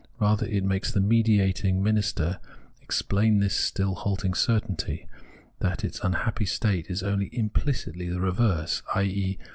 Rather, it makes the mediating minister express this still halting certainty, that its unhappy state is only im flicitly the reverse, i.e.